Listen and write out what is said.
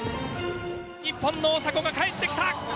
日本の大迫が帰ってきた！